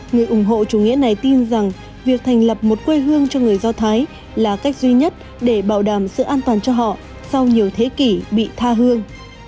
người ủng hộ chủ nghĩa này tin rằng việc thành lập một quê hương cho người do thái là cách duy nhất để bảo đảm sự an toàn cho họ sau nhiều thế kỷ bị tha hương